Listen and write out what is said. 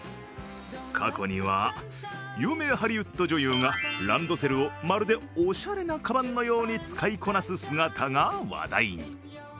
過去には有名ハリウッド女優がランドセルをまるで、おしゃれなかばんのように使いこなす姿が話題に。